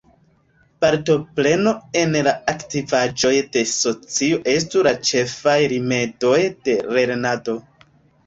Partopreno en la aktivaĵoj de socio estu la ĉefaj rimedoj de lernado.